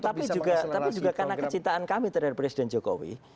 tapi juga karena kecintaan kami terhadap presiden jokowi